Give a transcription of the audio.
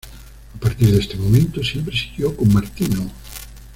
A partir de este momento siempre siguió con Martino.